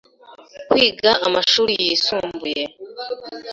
kwiga amashuri yisumbuye,